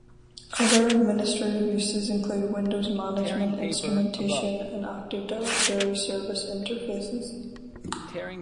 Other administrative uses include Windows Management Instrumentation and Active Directory Service Interfaces.